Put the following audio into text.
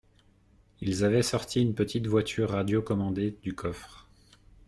ils avaient sorti une petite voiture radio commandée du coffre